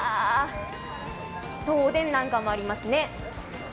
おでんなんかもありますね。